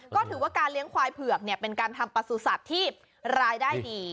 ก็ถือว่าการเลี้ยงควายเผือกเป็นการทำประสุทธิ์ที่รายได้ดี